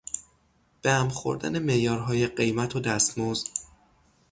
به هم خوردن معیارهای قیمت و دستمزد